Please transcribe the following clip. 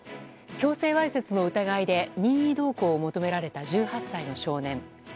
強制わいせつの疑いで任意同行を求められた１８歳の少年。